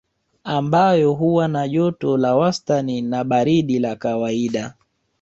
Ambayo huwa na joto la wastani na baridi la kawaida